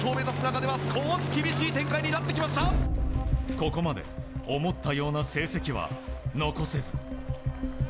ここまで思ったような成績は残せず。